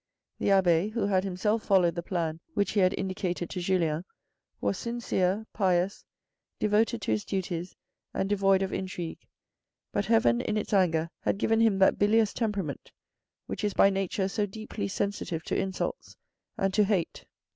The abbe, who had himself followed the plan which he had indicated to Julien, was sincere, pious, devoted to his duties and devoid of intrigue, but heaven in its anger had given him that bilious temperament which is by nature so deeply sensitive to insults and to hate.